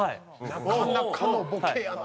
なかなかのボケやな！